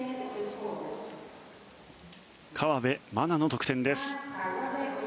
河辺愛菜の得点です。